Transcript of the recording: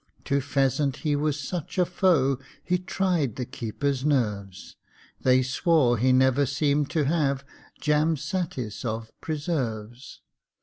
To pheasant he was such a foe, He tried the keepers' nerves; They swore he never seem'd to have Jam satis of preserves.